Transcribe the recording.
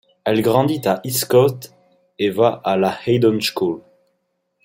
Elle grandit à Eastcote et va à la Haydon School.